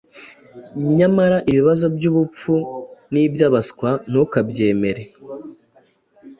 Nyamara ibibazo by’ubupfu n’iby’abaswa ntukabyemere